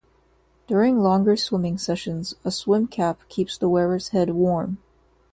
During longer swimming sessions, a swim cap keeps the wearer's head warm.